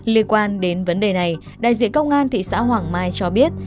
liên quan đến vấn đề này đại diện công an thị xã hoàng mai cho biết